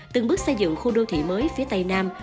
từng bước xây dựng khu đô thị mới phía tây nam